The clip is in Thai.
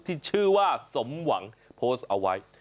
ที่ชื่อว่าสมหวังโพสต์เอาไว้